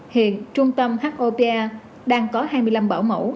hiện trung tâm hotia đang có hai mươi năm bảo mẫu